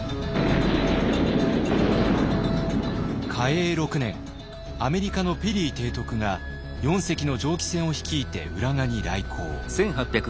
嘉永６年アメリカのペリー提督が４隻の蒸気船を率いて浦賀に来航。